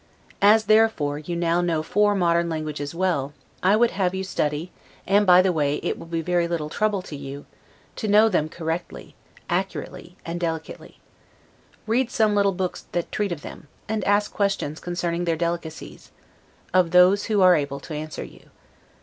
As therefore you now know four modern languages well, I would have you study (and, by the way, it will be very little trouble to you) to know them correctly, accurately, and delicately. Read some little books that treat of them, and ask questions concerning their delicacies, of those who are able to answer you.